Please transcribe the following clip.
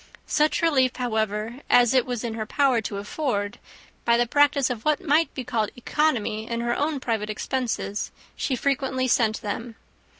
Such relief, however, as it was in her power to afford, by the practice of what might be called economy in her own private expenses, she frequently sent them.